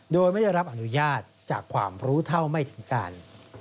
โดยไม่ได้รับอนุญาตจากความรู้เท่าไม่ถึงการ